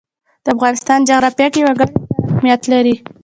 د افغانستان جغرافیه کې وګړي ستر اهمیت لري.